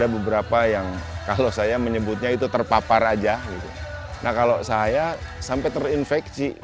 walaunya antibiotika dan pembekalan anybodyue